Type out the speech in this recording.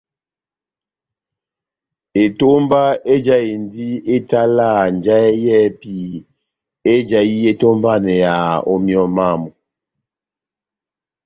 Etomba ejahindi etalaha njahɛ yɛ́hɛ́pi éjahi etómbaneyaha ó míyɔ mámu.